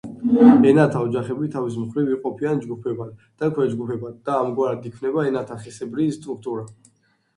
ენათა ოჯახები თავის მხრივ იყოფიან ჯგუფებად და ქვეჯგუფებად და ამგვარად იქმნება ენათა ხისებრი სტრუქტურა.